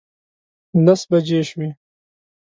لس بجې شوې.